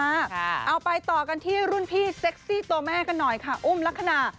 เอาไปต่อกันที่รุ่นพี่เซ็กซี่ตัวแม่กันหน่อยค่ะอุ้มลักษณะ